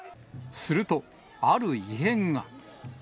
すると、ある異変が。